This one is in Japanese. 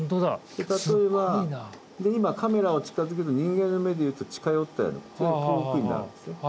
例えば今カメラを近づけると人間の目で言うと近寄ったような遠くになるんですね。